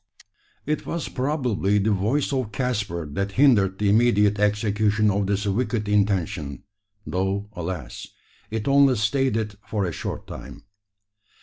It was probably the voice of Caspar that hindered the immediate execution of this wicked intention; though, alas! it only stayed it for a short time.